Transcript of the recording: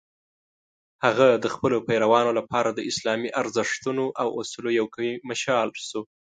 هغه د خپلو پیروانو لپاره د اسلامي ارزښتونو او اصولو یو قوي مشال شو.